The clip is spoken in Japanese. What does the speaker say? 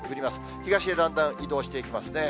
東へだんだん移動していきますね。